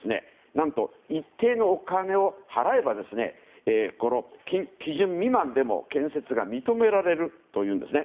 何と、一定のお金を払えば基準未満でも建設が認められるんです。